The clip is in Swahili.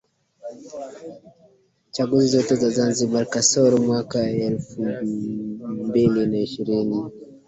Chaguzi zote za Zanzibar kasoro mwaka elfu mbili na ishirini